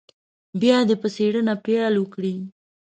بیا دې په څېړنه پیل وکړي.